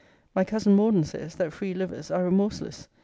My cousin Morden says, that free livers are remorseless.